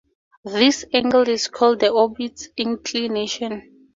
This angle is called the orbit's inclination.